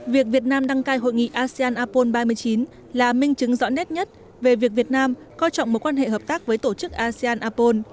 việc việt nam đăng cai hội nghị asean apol ba mươi chín là minh chứng rõ nét nhất về việc việt nam coi trọng mối quan hệ hợp tác với tổ chức asean apol